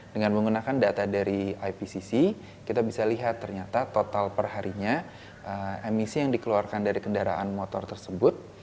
dengan menggunakan data dari ipcc kita bisa lihat ternyata total perharinya emisi yang dikeluarkan dari kendaraan motor tersebut